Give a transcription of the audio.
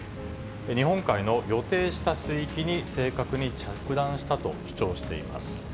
日本海の予定した水域に正確に着弾したと主張しています。